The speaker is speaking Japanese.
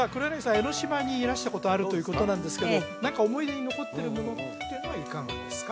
江の島にいらしたことあるということなんですけど何か思い出に残ってるものっていうのはいかがですか？